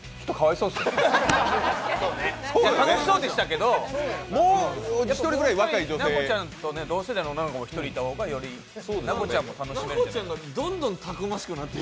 いや、楽しそうでしたけど、もう１人ぐらい、奈子ちゃんと同世代の女の子がいた方がより奈子ちゃんも楽しめるかなと。